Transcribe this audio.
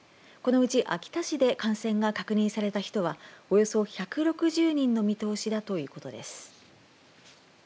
このうち秋田市で感染が確認された人はおよそ１６０人の見通しだということです。